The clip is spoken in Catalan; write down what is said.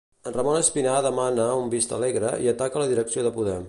En Ramón Espinar demana un Vistalegre i ataca la direcció de Podem.